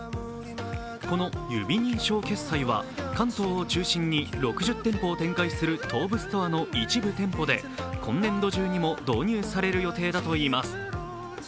この指認証決済は関東を中心に６０店舗を展開する東武ストアの一部店舗で今年度中にも導入される予定だといいます。